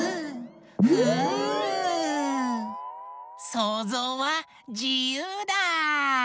そうぞうはじゆうだ！